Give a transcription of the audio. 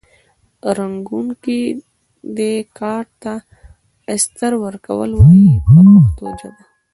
رنګوونکي دې کار ته استر ورکول وایي په پښتو ژبه.